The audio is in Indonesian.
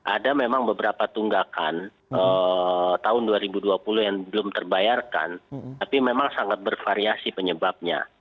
ada memang beberapa tunggakan tahun dua ribu dua puluh yang belum terbayarkan tapi memang sangat bervariasi penyebabnya